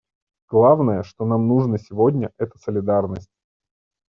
Главное, что нам нужно сегодня, это солидарность.